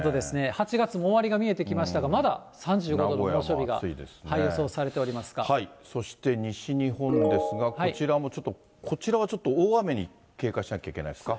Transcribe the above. ８月も終わりが見えてきましたが、まだ３５度の猛暑日が予想されてそして西日本ですが、こちらもちょっと、こちらはちょっと大雨に警戒しなきゃいけないですか。